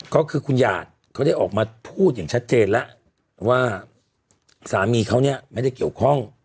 ก็คือคุณหยาดเขาได้ออกมาพูดอย่างชัดเจนแล้วว่าสามีเขาเนี่ยไม่ได้เกี่ยวข้อง